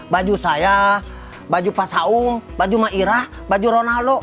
baju saya baju pak saung baju ma irah baju ronaldo